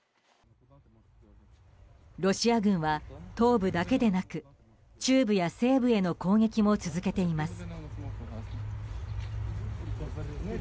ロシア軍は東部だけでなく中部や西部への攻撃も続けています。